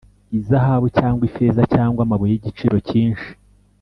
izahabu, cyangwa ifeza, cyangwa amabuye y'igiciro cyinshi,